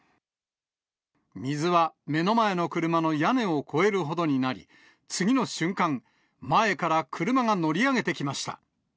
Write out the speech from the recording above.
水は目の前の車の屋根を越えるほどになり、次の瞬間、前から車が乗り上げてきました。